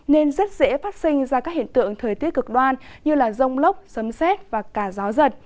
nên rất dễ phát sinh ra các hiện tượng thời tiết cực đoan như rông lốc sấm xét và cả gió giật